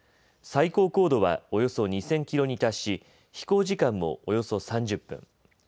最高高度はおよそ２０００キロに達し飛行時間もおよそ３０分。